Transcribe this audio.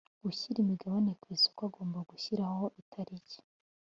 Ushyira imigabane ku isoko agomba gushyiraho itariki